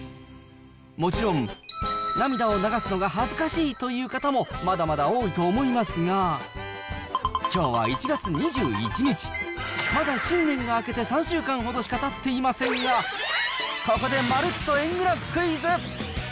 もちろん、涙を流すのが恥ずかしいという方もまだまだ多いと思いますが、きょうは１月２１日、まだ新年が明けて３週間ほどしかたっていませんが、ここでまるっと円グラフクイズ。